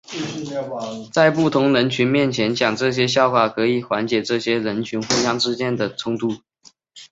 在不同人群面前讲这类笑话可以缓解这些人群互相之间的冲突。